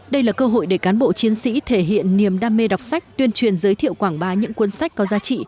đây là cơ hội để cán bộ chiến sĩ thể hiện niềm đam mê đọc sách tuyên truyền giới thiệu quảng bá những cuốn sách có giá trị